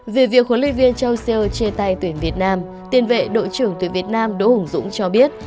vì việc huấn luyện viên chausseur chê tay tuyển việt nam tiền vệ đội trưởng tuyển việt nam đỗ hùng dũng cho biết